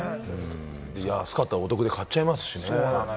安かったらお得で買っちゃいますしね。